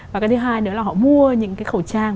và cái thứ hai nữa là họ mua những cái khẩu trang